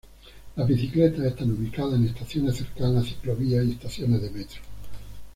Las bicicletas están ubicadas en estaciones cercanas a ciclovías y estaciones de Metro.